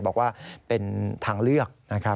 บอกว่าเป็นทางเลือกนะครับ